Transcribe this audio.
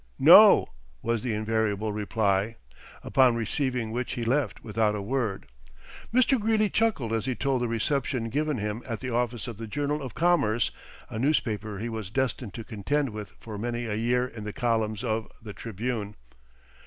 "No," was the invariable reply; upon receiving which he left without a word. Mr. Greeley chuckled as he told the reception given him at the office of the "Journal of Commerce," a newspaper he was destined to contend with for many a year in the columns of the "Tribune."